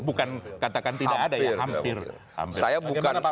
bukan katakan tidak ada ya hampir